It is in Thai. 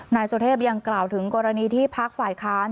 นายสุเทพยังกล่าวถึงกรณีที่พักฝ่ายค้าน